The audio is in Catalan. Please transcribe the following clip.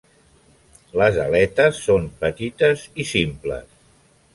Les aletes són petites i simples.